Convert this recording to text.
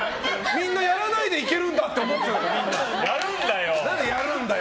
みんなやらないでいけるんだってやるんだよ。